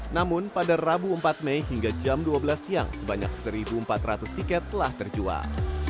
namun pada rabu empat mei hingga jam dua belas siang sebanyak satu empat ratus tiket telah terjual